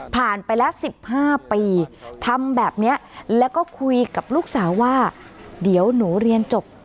ไปละ๑๕ปีทำแบบนี้แล้วก็คุยกับลูกสาวว่าเดี๋ยวหนูเรียนจบ